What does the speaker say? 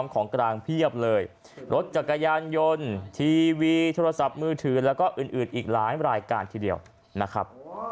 ของกลางเพียบเลยรถจักรยานยนต์ทีวีโทรศัพท์มือถือแล้วก็อื่นอีกหลายรายการทีเดียวนะครับ